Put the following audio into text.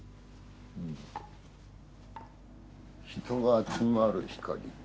人が集まる光か。